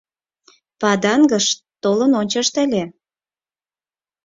Падангыш толын ончышт ыле!..